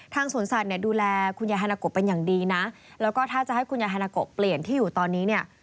สวนสัตว์เนี่ยดูแลคุณยายฮานาโกะเป็นอย่างดีนะแล้วก็ถ้าจะให้คุณยายฮานาโกเปลี่ยนที่อยู่ตอนนี้เนี่ย